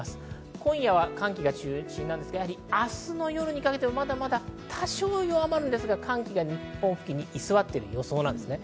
今夜は寒気が中心なんですが、明日の夜にかけてはまだまだ、多少弱まるんですが寒気が日本付近に居座っているようそうです。